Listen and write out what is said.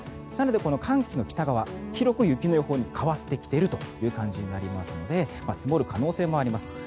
なので、寒気の北側広く雪の予報に変わってきているという感じなので積もる可能性もあります。